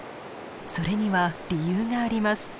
それには理由があります。